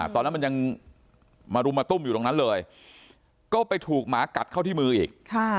ตอนนั้นมันยังมารุมมาตุ้มอยู่ตรงนั้นเลยก็ไปถูกหมากัดเข้าที่มืออีก